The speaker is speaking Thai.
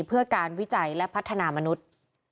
เพื่อการวิจัยและพัฒนามนุษย์